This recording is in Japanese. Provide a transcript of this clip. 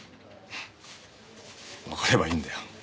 フッわかればいいんだよ。